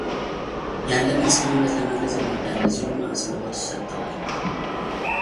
ያለንን ፅኑ እምነት ለመግለፅ እንወዳለን ሲሉም አጽንኦት ሰጥተዋል፡፡